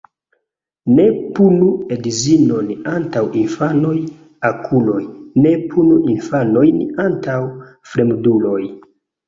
Ne punu edzinon antaŭ infanaj okuloj, ne punu infanojn antaŭ fremduloj.